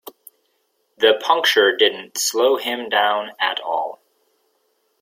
The puncture didn't slow him down at all.